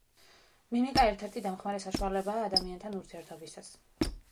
მიმიკა ერთ-ერთი დამხმარე საშუალებაა ადამიანთან ურთიერთობისას.